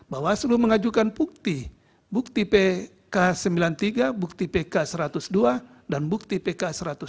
bawaslu mengajukan bukti bukti pk sembilan puluh tiga bukti pk satu ratus dua dan bukti pk satu ratus dua puluh